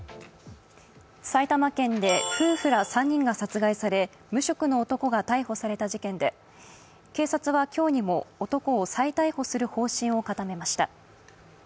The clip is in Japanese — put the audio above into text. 埼玉県で夫婦ら３人が殺害され、無職の男が逮捕された事件で警察は今日にも男を再逮捕する方針を固めました。